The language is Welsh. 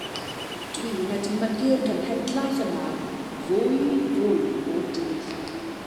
Dwi'n edmygu'r genhedlaeth yna fwy fwy bob dydd.